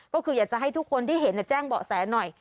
ก็คืออยากจะให้ทุกคนที่เห็นแจ้งเบาะแสหน่อย